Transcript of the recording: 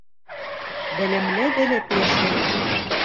Белемле белеп йәшәй